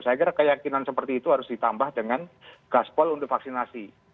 saya kira keyakinan seperti itu harus ditambah dengan gaspol untuk vaksinasi